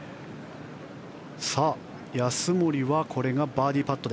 安森はこれがバーディーパット。